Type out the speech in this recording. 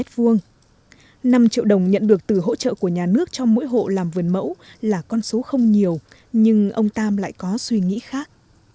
năm triệu đồng nhận được từ hỗ trợ của nhà nước cho mỗi hộ làm vườn mẫu là con số không nhiều nhưng ông tam lại có suy nghĩ khác